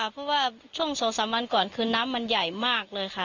ใช่ค่ะเพราะว่าช่วงสองสามวันก่อนคือน้ำมันใหญ่มากเลยค่ะ